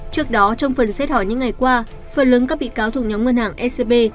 trước đó trong phần xét hỏi những ngày qua phần lớn các bị cáo thuộc nhóm ngân hàng scb